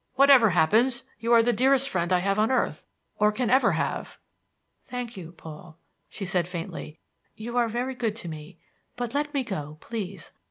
Whatever happens, you are the dearest friend I have on earth, or can ever have." "Thank you, Paul," she said faintly. "You are very good to me. But let me go, please.